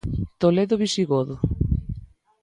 Toledo visigodo.